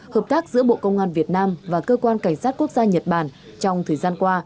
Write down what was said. hợp tác giữa bộ công an việt nam và cơ quan cảnh sát quốc gia nhật bản trong thời gian qua